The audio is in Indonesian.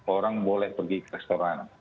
orang boleh pergi ke restoran